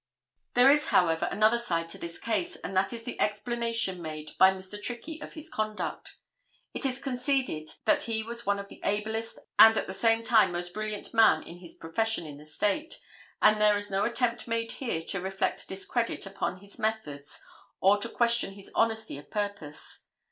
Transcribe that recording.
There is, however, another side to this case, and that is the explanation made by Mr. Trickey of his conduct. It is conceded that he was one of the ablest and at the same time most brilliant man in his profession in the State, and there is no attempt made here to reflect discredit upon his methods or to question his honesty of purpose.